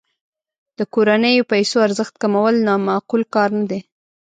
د کورنیو پیسو ارزښت کمول نا معقول کار نه دی.